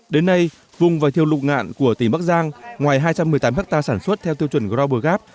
đến nay vùng vải thiêu lụng ngạn của tỉnh bắc giang ngoài hai trăm một mươi tám ha sản xuất theo tiêu chuẩn global gap